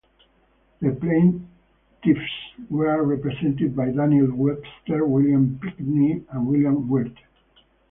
The plaintiffs were represented by Daniel Webster, William Pinkney and William Wirt.